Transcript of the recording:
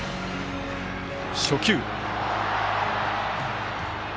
初球。